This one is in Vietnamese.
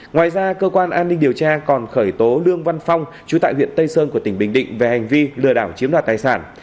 ngoài ra cơ quan an ninh điều tra còn khởi tố lương văn phong chú tại huyện tây sơn của tỉnh bình định về hành vi lừa đảo chiếm đoạt tài sản